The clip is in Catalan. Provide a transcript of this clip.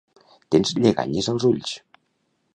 Tens lleganyes als ulls